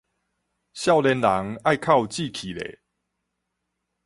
少年人愛較有志氣咧